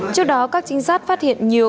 trước đó các trinh sát phát hiện nhiều